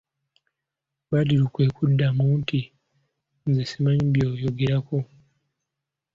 Badru kwe kumuddamu nti:"nze simanyi byoyogerako"